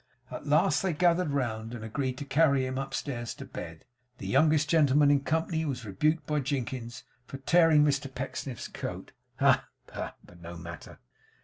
At last they gathered round, and agreed to carry him upstairs to bed. The youngest gentleman in company was rebuked by Jinkins for tearing Mr Pecksniff's coat! Ha, ha! But no matter.